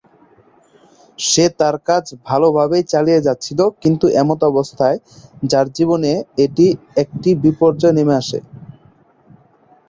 সে তার কাজ ভালোভাবেই চালিয়ে যাচ্ছিল, কিন্তু এমতাবস্থায় যার জীবনে একটি বিপর্যয় নেমে আসে।